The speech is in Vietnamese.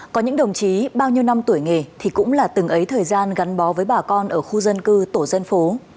có những đồng chí bao nhiêu năm tuổi nghề thì cũng là từng ấy thời gian gắn bó với bà con ở khu dân cư tổ dân phố